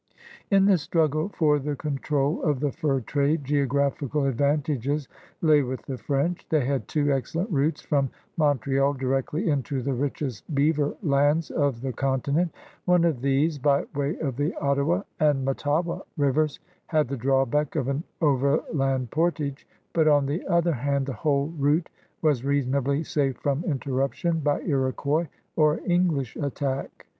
In the struggle for the control of the fur trade geographical advantages lay with the French. They had two excellent routes from Montreal directly into the richest beaver lands of the conti nent. One of these> by way of the Ottawa and Mattawa rivers, had the drawback of an over land portage, but on the other hand the whole route was reasonably safe from interruption by Iroquois or English attack.